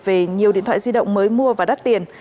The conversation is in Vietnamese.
về nhiều điện thoại di động mới mua và đắt tiền